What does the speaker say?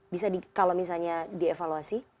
bisa kalau misalnya dievaluasi